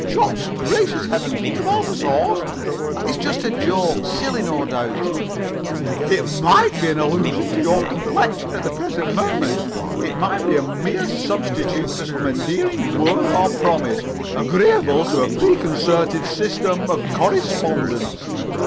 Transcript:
Chops! Gracious Heavens! And tomato sauce." "It's just a joke. Silly, no doubt." "It might be an allusion to your complexion at the present moment. It might be a mere substitute for [Pg 26]some endearing word or promise, agreeably to a preconcerted system of correspondence."